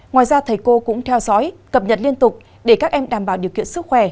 ngoài ra thầy cô cũng theo dõi cập nhật liên tục để các em đảm bảo điều kiện sức khỏe